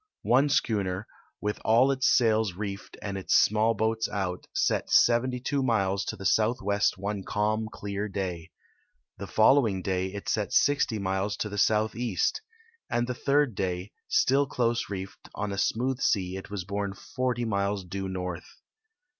One schooner, with all its sails reefed and its small boats out, set 72 miles to the southwest one calm, clear day. The following day it set 60 miles to the southeast, and the third day, still close reefed, on a smooth sea it was borne 40 miles due north.